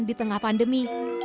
di tengah pandemi